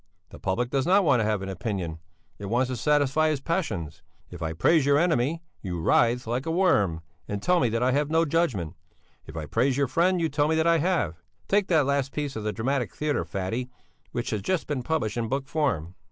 "The public does not want to have an opinion, it wants to satisfy its passions. If I praise your enemy you writhe like a worm and tell me that I have no judgment; if I praise your friend, you tell me that I have. Take that last piece of the Dramatic Theatre, Fatty, which has just been published in book form."